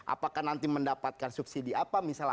apakah nanti mendapatkan subsidi apa misalnya